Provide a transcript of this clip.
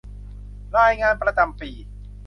รายงานประจำปี